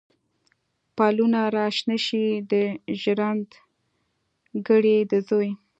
پلونه را شنه شي، د ژرند ګړی د زوی